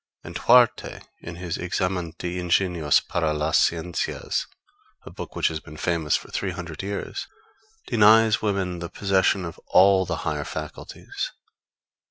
And Huarte in his Examen de ingenios para las scienzias a book which has been famous for three hundred years denies women the possession of all the higher faculties.